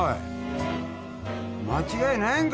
間違いないんか？